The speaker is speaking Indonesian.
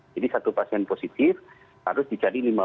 jadi satu pasien positif harus dicari